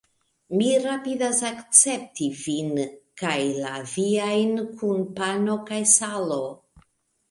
Mi rapidas akcepti vin kaj la viajn kun pano kaj salo!